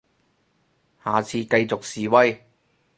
下次繼續示威